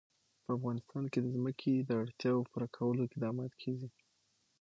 په افغانستان کې د ځمکه د اړتیاوو پوره کولو اقدامات کېږي.